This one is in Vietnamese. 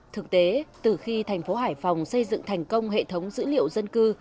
thực tế từ khi tp hải phòng xây dựng thành công hệ thống dữ liệu dân cư